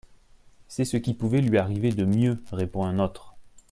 C'est ce qui pouvait lui arriver de mieux, répond un autre.